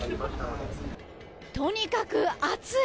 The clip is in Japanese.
とにかく暑い。